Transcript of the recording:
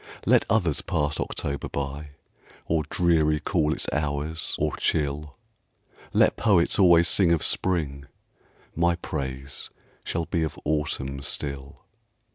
Let others pass October by, Or dreary call its hours, or chill; Let poets always sing of Spring, My praise shall be of Autumn still.